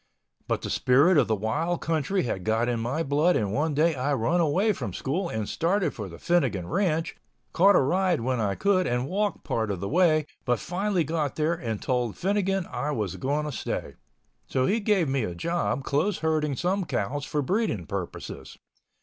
But the spirit of the wild country had got in my blood and one day I run away from school and started for the Finnegan Ranch, caught a ride when I could and walked part of the way, but finally got there, and told Finnegan I was going to stay. So he gave me a job close herding some cows for breeding purposes.